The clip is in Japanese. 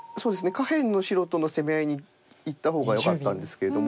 下辺の白との攻め合いにいった方がよかったんですけれども。